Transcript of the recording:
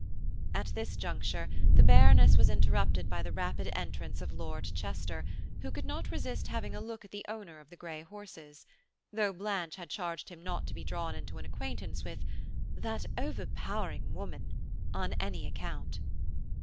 At this juncture, the Baroness was interrupted by the rapid entrance of Lord Chester, who could not resist having a look at the owner of the grey horses; though Blanche had charged him not to be drawn into an acquaintance with "that overpowering woman" on any account.